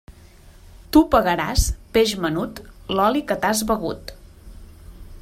Tu pagaràs, peix menut, l'oli que t'has begut.